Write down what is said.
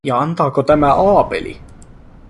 Ja antaako tämä Aapeli?